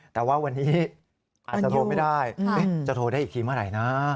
แต่ว่าวันนี้อาจจะโทรไม่ได้จะโทรได้อีกทีเมื่อไหร่นะ